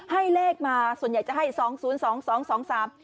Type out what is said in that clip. ให้เลขมาส่วนใหญ่จะให้สองศูนย์สองสองสาม